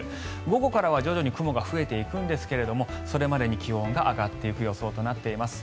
午後からは徐々に雲が増えていくんですがそれまでに気温が上がっていく予想となっています。